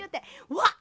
わっ！